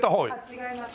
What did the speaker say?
違います。